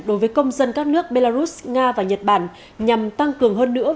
đối với công dân các nước belarus nga và nhật bản nhằm tăng cường hơn nữa